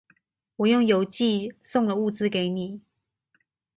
我用郵寄送了物資給你